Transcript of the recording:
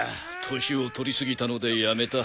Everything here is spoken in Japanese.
年を取り過ぎたので辞めた。